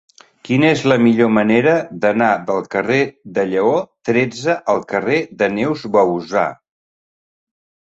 Quina és la millor manera d'anar del carrer de Lleó tretze al carrer de Neus Bouzá?